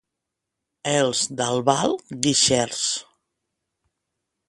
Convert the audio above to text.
Els d'Albal, guixers.